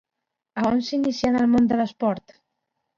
A on s'inicià en el món de l'esport?